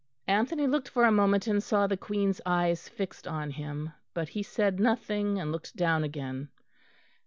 Anthony looked for a moment and saw the Queen's eyes fixed on him; but he said nothing, and looked down again.